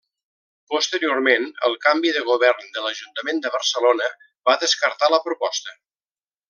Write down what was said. Posteriorment, el canvi de govern de l'Ajuntament de Barcelona va descartar la proposta.